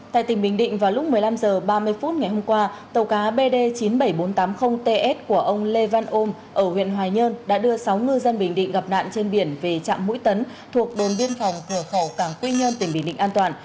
tại tỉnh bình định vào lúc một mươi năm h ba mươi phút ngày hôm qua tàu cá bd chín mươi bảy nghìn bốn trăm tám mươi ts của ông lê văn ôm ở huyện hoài nhơn đã đưa sáu ngư dân bình định gặp nạn trên biển về trạm mũi tấn thuộc đồn biên phòng cửa khẩu cảng quy nhơn tỉnh bình định an toàn